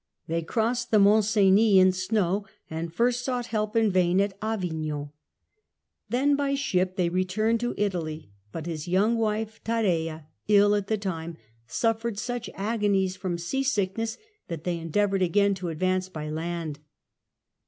They crossed the Mont Cenis in snow and first sought help in vain at Avignon ; then by ship they returned to Italy, but his young wife, Taddea, ill at the time, suffered such agonies from sea sickness that they endeavoured again to advance by land.